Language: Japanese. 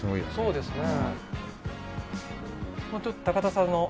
そうですか。